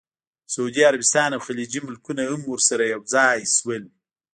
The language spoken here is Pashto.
سعودي عربستان او خلیجي ملکونه هم ورسره یوځای شول.